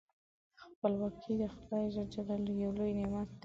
خپلواکي د خدای جل جلاله یو لوی نعمت دی.